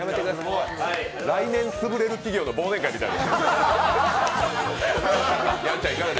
来年つぶれる企業の忘年会みたい。